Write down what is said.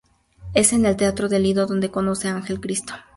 Es en el teatro Lido donde conoce a Ángel Cristo.